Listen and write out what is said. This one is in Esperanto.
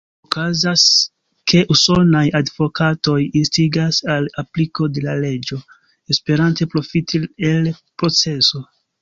Okazas, ke usonaj advokatoj instigas al apliko de la leĝo, esperante profiti el proceso.